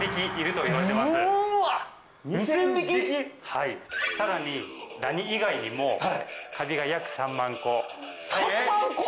はいさらにダニ以外にもカビが約３万個３万個